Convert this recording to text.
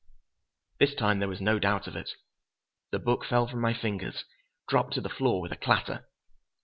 This time there was no doubt of it. The book fell from my fingers, dropped to the floor with a clatter.